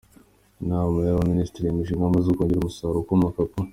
Inama y‟Abaminisitiri yemeje ingamba zo kongera umusaruro ukomoka ku